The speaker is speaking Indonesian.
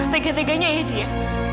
tegak tegaknya ya dia